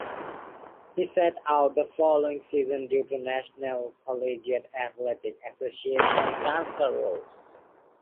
He sat out the following season due to National Collegiate Athletic Association transfer rules.